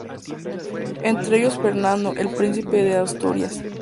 Entre ellos Fernando, el príncipe de Asturias.